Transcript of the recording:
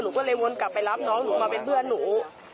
หนูก็เลยวนกลับไปรับน้องหนูมาเป็นเพื่อนหนู